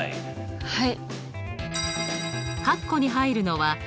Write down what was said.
はい。